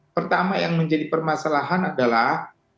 pertama yang menjadi permasalahan adalah